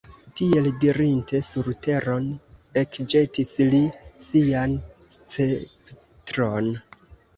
Tiel dirinte, sur teron ekĵetis li sian sceptron.